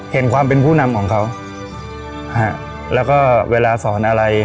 เห็นความเป็นผู้นำของเขาฮะแล้วก็เวลาสอนอะไร